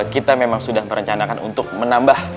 kita memang sudah merencanakan untuk menambah